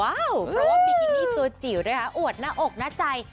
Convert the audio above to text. รอบบิกินิตัวจิ๋วนะคะอวดหน้าอกหน้าใจ